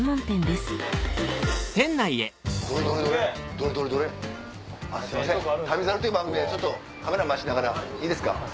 すいません『旅猿』という番組でカメラ回しながらいいですか？